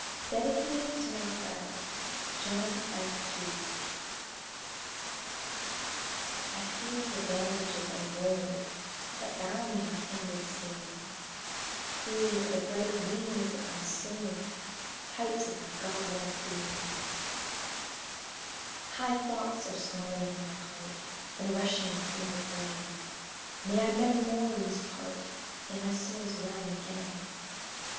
DEDICATED TO MY FRIEND, JOHN F. HEATH. I. I feel the bandages unroll That bound my inward seeing; Freed are the bright wings of my soul, Types of my god like being; High thoughts are swelling in my heart And rushing through my brain; May I never more lose part In my soul's realm again!